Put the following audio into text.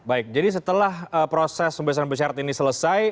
baik jadi setelah proses pembebasan bersyarat ini selesai